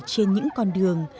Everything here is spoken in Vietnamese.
trên những con đường